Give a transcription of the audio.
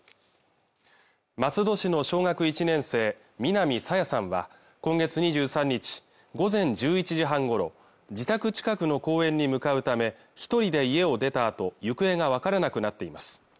松戸市の小学１年生南朝芽さんは今月２３日午前１１時半ごろ自宅近くの公園に向かうため一人で家を出たあと行方が分からなくなっています